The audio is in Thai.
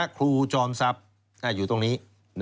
ครูจอมทรัพย์อยู่ตรงนี้